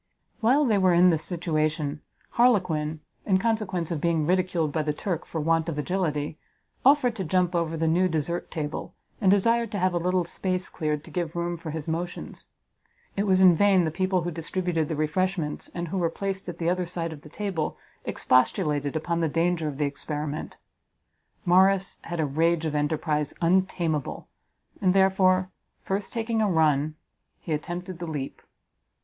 While they were in this situation, Harlequin, in consequence of being ridiculed by the Turk for want of agility, offered to jump over the new desert table, and desired to have a little space cleared to give room for his motions. It was in vain the people who distributed the refreshments, and who were placed at the other side of the table, expostulated upon the danger of the experiment; Morrice had a rage of enterprise untameable, and, therefore, first taking a run, he attempted the leap.